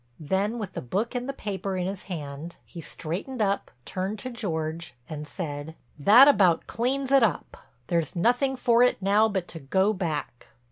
Then with the book and the paper in his hand he straightened up, turned to George, and said: "That about cleans it up. There's nothing for it now but to go back."